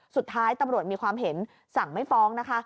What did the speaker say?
สุดท้ายตำรวจมีความเห็นสั่งไม่ฟ้องนะคะ